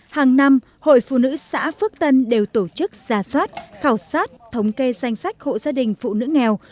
hàng năm hội phụ nữ xã phước tân đều tổ chức ra soát khảo sát thống kê danh sách hộ gia đình phụ nữ nghèo